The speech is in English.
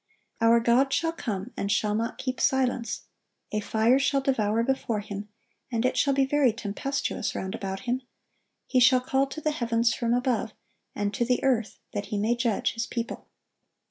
"Our God shall come, and shall not keep silence: a fire shall devour before Him, and it shall be very tempestuous round about Him. He shall call to the heavens from above, and to the earth, that He may judge His people."